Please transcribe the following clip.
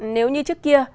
nếu như trước kia